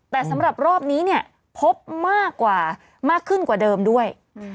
แต่สำหรับรอบนี้พบมากขึ้นกว่าเดิมด้วย